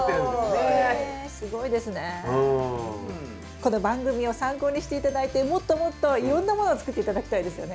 この番組を参考にして頂いてもっともっといろんなものを作って頂きたいですよね。